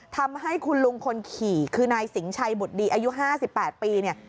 ทำให้คุณลุงคนขี่คือนายสิงห์ชัยบดดีอายุห้าสิบแปดปีเนี่ย